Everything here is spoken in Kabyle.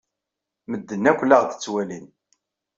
Medden akk la aɣ-d-ttwalin.